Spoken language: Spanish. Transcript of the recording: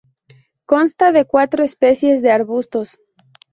Consta de cuatro especies de arbustos.